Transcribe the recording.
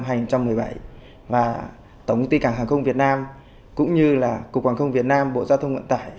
và tổng công ty cảng hàng không việt nam cũng như là cục hàng không việt nam bộ giao thông nguyện tải